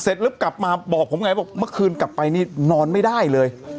กลับมาบอกผมไงบอกเมื่อคืนกลับไปนี่นอนไม่ได้เลย